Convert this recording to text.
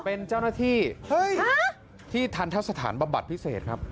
เป็นเจ้าหน้าที่เฮ้ยที่ทันทะสถานบำบัดพิเศษครับ